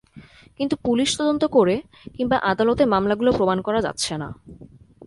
কিন্তু পুলিশ তদন্ত করে কিংবা আদালতে মামলাগুলো প্রমাণ করা যাচ্ছে না।